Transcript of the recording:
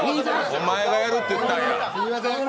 お前がやるって言ったや。